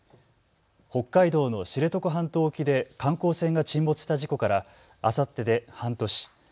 北海道の知床半島沖で観光船が沈没した事故からあさってで半年。